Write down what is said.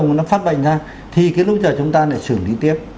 nó phát bệnh ra thì cái lúc đó chúng ta lại xử lý tiếp